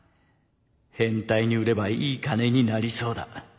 変態に売ればいい金になりそうだ。